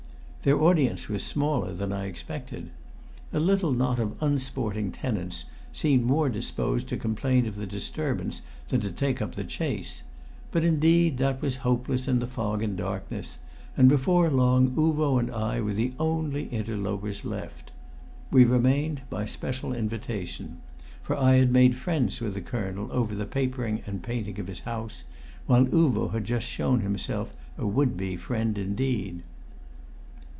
Their audience was smaller than I expected. A little knot of unsporting tenants seemed more disposed to complain of the disturbance than to take up the chase; but indeed that was hopeless in the fog and darkness, and before long Uvo and I were the only interlopers left. We remained by special invitation, for I had made friends with the colonel over the papering and painting of his house, while Uvo had just shown himself a would be friend indeed.